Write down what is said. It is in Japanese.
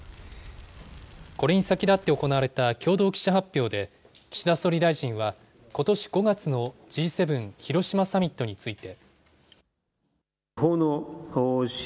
これに先立って行われた共同記者発表で、岸田総理大臣は、ことし５月のＧ７広島サミットについて。